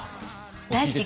大好き。